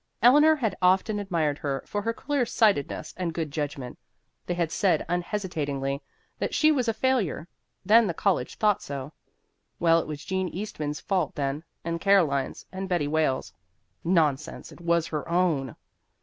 Eleanor had often admired her for her clear sightedness and good judgment. They had said unhesitatingly that she was a failure; then the college thought so. Well, it was Jean Eastman's fault then, and Caroline's, and Betty Wales's. Nonsense! it was her own.